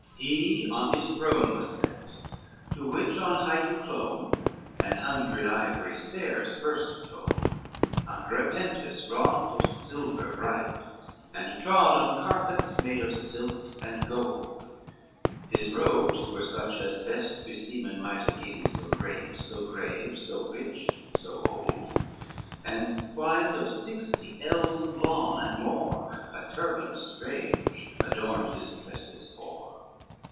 X He on his throne was set, to which on height Who clomb an hundred ivory stairs first told, Under a pentise wrought of silver bright, And trod on carpets made of silk and gold; His robes were such as best beseemen might A king, so great, so grave, so rich, so old, And twined of sixty ells of lawn and more A turban strange adorned his tresses hoar.